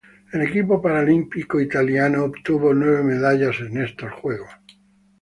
El equipo paralímpico italiano obtuvo nueve medallas en estos Juegos.